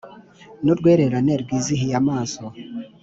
ni urwererane rwizihiye amaso